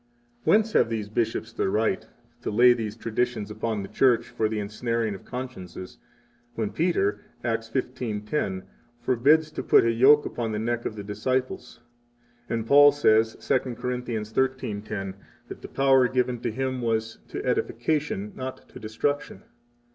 42 Whence have the bishops the right to lay these traditions upon the Church for the ensnaring of consciences, when Peter, Acts 15:10, forbids to put a yoke upon the neck of the disciples, and Paul says, 2 Cor. 13:10, that the power given him was to edification not to destruction?